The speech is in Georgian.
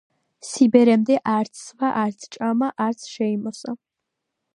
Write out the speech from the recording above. სიბერემდე არც სვა, არც ჭამა და არც შეიმოსა.